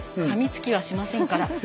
かみつきはしませんから。